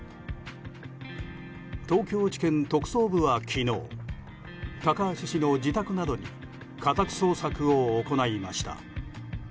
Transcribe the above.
東京地検特捜部は昨日高橋氏の自宅などに家宅捜索を行いました。